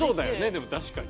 でも確かに。